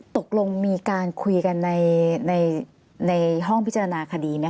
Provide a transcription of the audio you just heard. ตกลงมีการคุยกันในห้องพิจารณาคดีไหมค